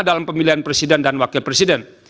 dalam pemilihan presiden dan wakil presiden